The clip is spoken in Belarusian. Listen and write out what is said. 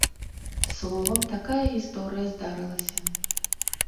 Словам, такая гісторыя здарылася.